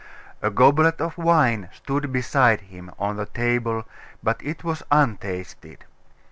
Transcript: A goblet of wine stood beside him, on the table, but it was untasted.